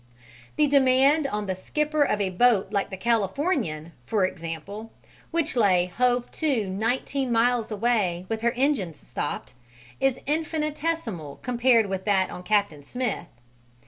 The demand on the skipper of a boat like the Californian, for example, which lay hove to nineteen miles away with her engines stopped, is infinitesimal compared with that on Captain Smith.